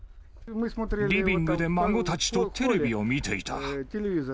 リビングで孫たちとテレビを見ていた。